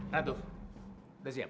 ratu udah siap